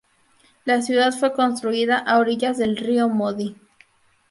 La ciudad fue construida a orillas del río Modi.